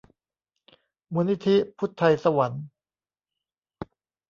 มูลนิธิพุทไธศวรรค์